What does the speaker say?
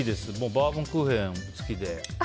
バームクーヘン好きで。